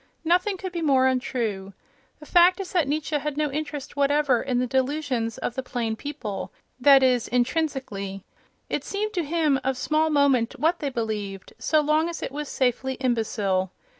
Nothing could be more untrue. The fact is that Nietzsche had no interest whatever in the delusions of the plain people—that is, intrinsically. It seemed to him of small moment what they believed, so long as it was safely imbecile.